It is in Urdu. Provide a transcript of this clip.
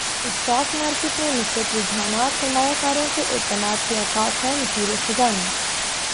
اسٹاک مارکیٹ میں مثبت رجحانات سرماریہ کاروں کے اعتماد کے عکاس ہیں مشیر خزانہ